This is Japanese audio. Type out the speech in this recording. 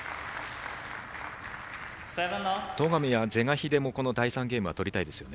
戸上は是が非でもこの第３ゲームは取りたいですよね。